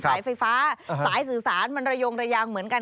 สายไฟฟ้าสายสื่อสารมันระยงระยางเหมือนกัน